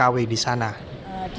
yang satu ini pacaran sama orang saudi